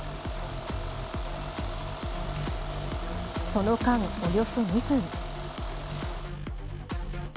その間、およそ２分。